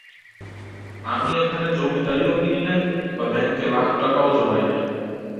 আমি এখানে জমিদারীও কিনি নাই, বা ব্যাঙ্কে লাখ টাকাও জমা নাই।